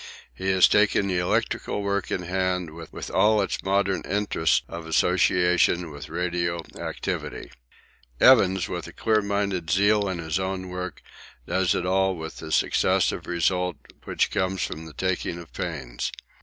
He has taken the electrical work in hand with all its modern interest of association with radio activity. Evans, with a clear minded zeal in his own work, does it with all the success of result which comes from the taking of pains.